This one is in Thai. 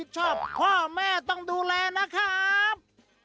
สวัสดีครับ